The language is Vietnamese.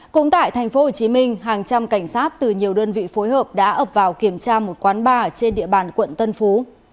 cũng tại tp hcm hàng trăm cảnh sát từ nhiều đơn vị phối hợp đã ập vào kiểm tra một quán bar trên địa bàn quận tân phú